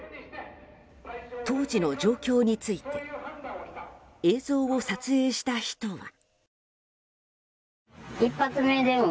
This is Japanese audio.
当時の状況について映像を撮影した人は。